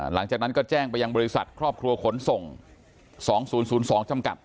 หลังจากนั้นก็แจ้งไปยังบริษัทครอบครัวขนส่งสองศูนย์ศูนย์สองชำกัด